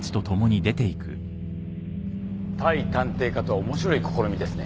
対探偵課とは面白い試みですね。